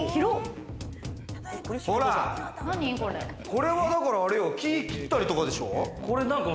これは、だからあれよ、木、切ったりとかでしょ？